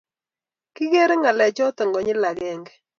Kigeere ngalechoto konyil agenge